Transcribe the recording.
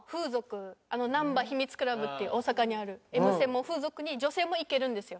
難波秘密倶楽部っていう大阪にあるＭ専門風俗に女性も行けるんですよ。